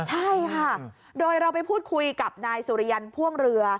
ใช่ค่ะโดยเราไปพูดคุยกับนายสุริยันพ่วงเรือ